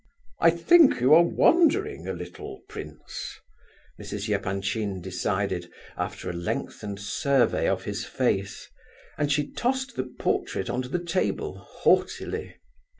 "I think you are wandering a little, prince," Mrs. Epanchin decided, after a lengthened survey of his face; and she tossed the portrait on to the table, haughtily.